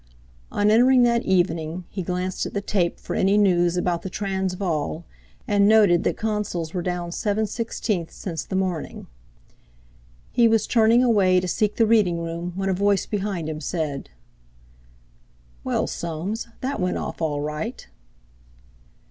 On entering that evening he glanced at the tape for any news about the Transvaal, and noted that Consols were down seven sixteenths since the morning. He was turning away to seek the reading room when a voice behind him said: "Well, Soames, that went off all right."